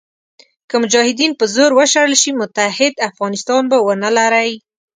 که مجاهدین په زور وشړل شي متحد افغانستان به ونه لرئ.